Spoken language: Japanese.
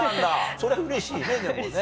それはうれしいねでもね。